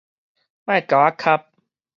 莫共我磕